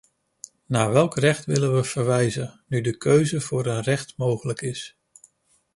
Naar welk recht willen we verwijzen, nu de keuze voor een recht mogelijk is?